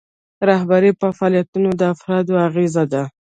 رهبري په فعالیتونو د افرادو اغیزه ده.